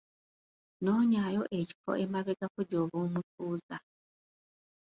Noonyaayo ekifo emabegako gy'oba omutuuza.